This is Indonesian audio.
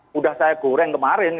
sudah saya goreng ke masyarakat